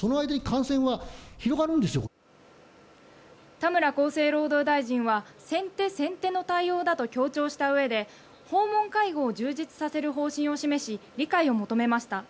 田村厚生労働大臣は先手先手の対応だと強調したうえで訪問介護を充実させる方針を示し理解を求めました。